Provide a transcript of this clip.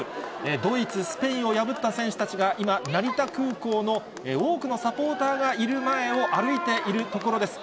ドイツ、スペインを破った選手たちが今、成田空港の多くのサポーターがいる前を歩いているところです。